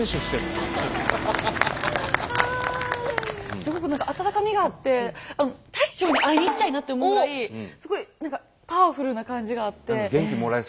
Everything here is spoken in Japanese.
すごく何か温かみがあってあの大将に会いに行きたいなって思うぐらいすごい何かパワフルな感じがあって。